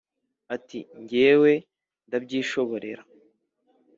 Ati: jyewe ndabyishoborera.